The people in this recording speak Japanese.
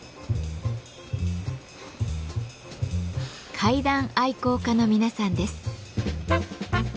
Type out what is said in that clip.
階段愛好家の皆さんです。